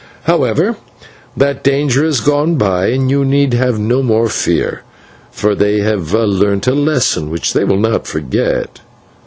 However, that danger has gone by, and you need have no more fear, for they have learnt a lesson which they will not forget."